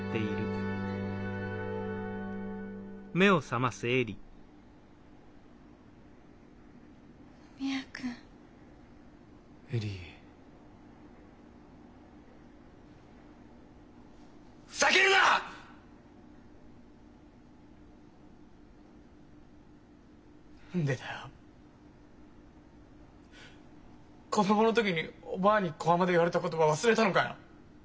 子どもの時におばぁに小浜で言われた言葉忘れたのかよ。